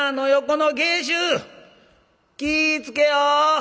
気ぃ付けよ！